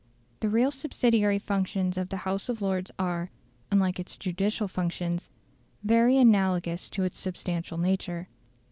The real subsidiary functions of the House of Lords are, unlike its judicial functions, very analogous to its substantial nature.